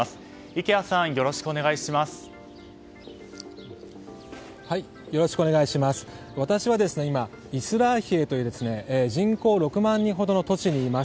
池谷さん、よろしくお願いします。